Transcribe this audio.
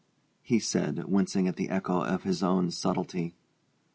he said, wincing at the echo of his own subtlety.